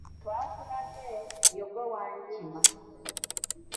Twakulabye, ye ggwe Wankima.